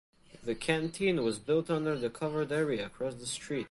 The canteen was built under the covered area across the street.